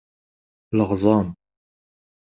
Leɣẓam.